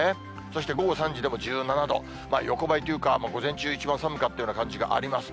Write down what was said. そして午後３時でも１７度、横ばいというか、午前中一番寒かったような感じがあります。